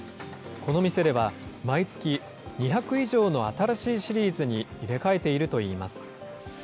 この店では、毎月２００以上の新しいシリーズに入れ替えているといいます。